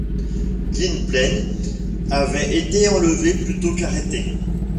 Gwynplaine avait été enlevé plutôt qu’arrêté.